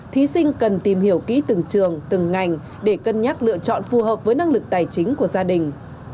thí sinh cần tìm hiểu kỹ từng trường từng ngành để cân nhắc lựa chọn phù hợp với năng lực tài chính của gia đình